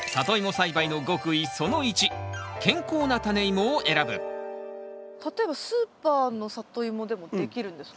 栽培の例えばスーパーのサトイモでもできるんですか？